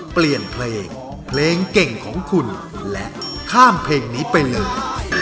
เปลี่ยนเพลงเพลงเก่งของคุณและข้ามเพลงนี้ไปเลย